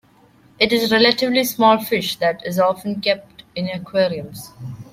It is a relatively small fish that is often kept in aquariums.